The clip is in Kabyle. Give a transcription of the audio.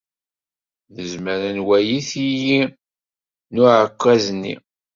Nezmer ad nwali tili n uɛekkaz-nni.